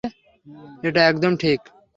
এটা একদম ঠিক।